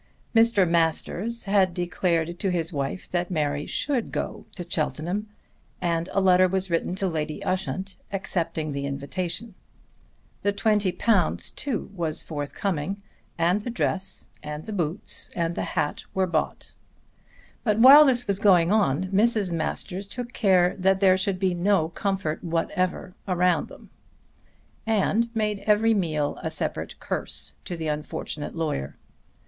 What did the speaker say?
Mr. Masters had declared to his wife that Mary should go to Cheltenham and a letter was written to Lady Ushant accepting the invitation. The £20 too was forthcoming and the dress and the boots and the hat were bought. But while this was going on Mrs. Masters took care that there should be no comfort whatever around them and made every meal a separate curse to the unfortunate lawyer.